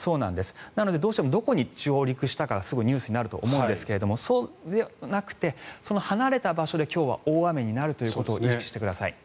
なので、どうしてもどこに上陸したかニュースになると思いますがそうではなくて離れた場所で今日は大雨になるということを意識してください。